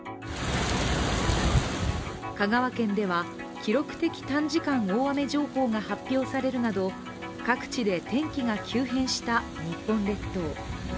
香川県では記録的短時間大雨情報が発表されるなど各地で天気が急変した日本列島。